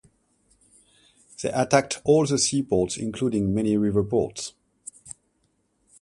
They attacked all the seaports including many river ports.